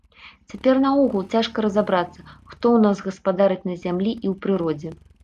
Цяпер наогул цяжка разабрацца, хто ў нас гаспадарыць на зямлі і ў прыродзе.